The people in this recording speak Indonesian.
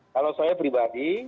kalau saya pribadi